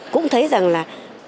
cũng thấy rằng là